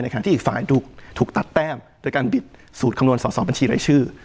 ที่อีกฝ่ายถูกตัดแต้มโดยการบิดสูตรคำนวณสอสอบัญชีรายชื่อ